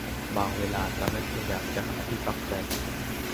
บางเวลาทำให้คุณอยากจะหาที่พักใจ